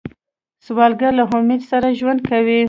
سوالګر له امید سره ژوند کوي